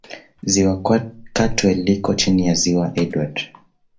Ziwa Katwe liko chini ya Ziwa Edward